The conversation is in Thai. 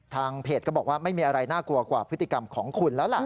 ทางเพจก็บอกว่าไม่มีอะไรน่ากลัวกว่าพฤติกรรมของคุณแล้วล่ะ